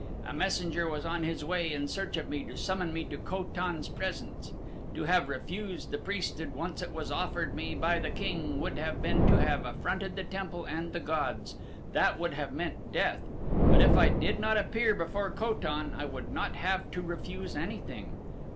A messenger was on his way in search of me to summon me to Ko tan's presence. To have refused the priesthood once it was offered me by the king would have been to have affronted the temple and the gods that would have meant death; but if I did not appear before Ko tan I would not have to refuse anything.